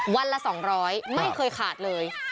วันละ๒๐๐ไม่เคยขาดเลย